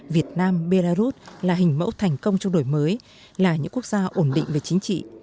việt nam belarus là hình mẫu thành công trong đổi mới là những quốc gia ổn định về chính trị